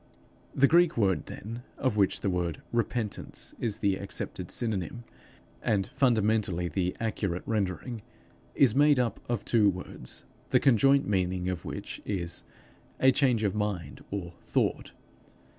The Greek word then, of which the word repentance is the accepted synonym and fundamentally the accurate rendering, is made up of two words, the conjoint meaning of which is, a change of mind or thought.